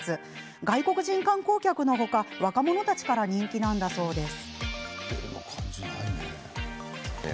外国人観光客の他若者たちから人気なんだそうです。